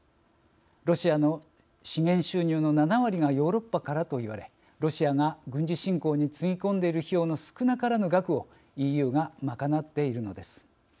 ロシアの資源収入の７割がヨーロッパからと言われロシアが軍事侵攻につぎ込んでいる費用の少なからぬ額をＥＵが賄っているのです。